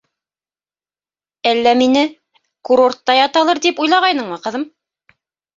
Әллә мине... курортта яталыр тип уйлағайныңмы, ҡыҙым?